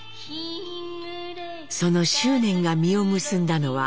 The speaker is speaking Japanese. その執念が実を結んだのは昭和４８年。